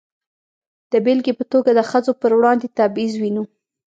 د بېلګې په توګه د ښځو پر وړاندې تبعیض وینو.